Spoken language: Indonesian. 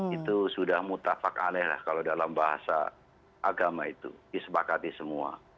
itu sudah mutakfak aleh kalau dalam bahasa agama itu disepakati semua